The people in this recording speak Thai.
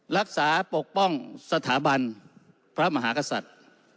ปกป้องสถาบันพระมหากษัตริย์